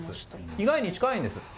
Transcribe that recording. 意外に近いんです。